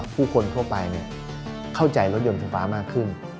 ผู้คนทั่วไปเข้าใจรถยนต์ไฟฟ้ามากขึ้น